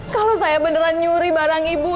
kalau saya beneran nyuri barang ibu